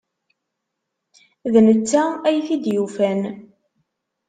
D netta ay t-id-yufan.